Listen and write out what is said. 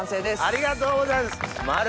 ありがとうございます。